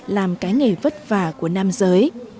làm cái nghề vất vả của nam giới